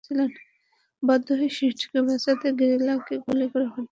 বাধ্য হয়ে শিশুটিকে বাঁচাতে গরিলাকে গুলি করে হত্যা করে চিড়িয়াখানা কর্তৃপক্ষ।